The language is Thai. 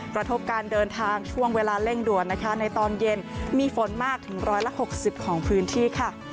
กระทบการเดินทางช่วงเวลาเร่งด่วนนะคะในตอนเย็นมีฝนมากถึง๑๖๐ของพื้นที่ค่ะ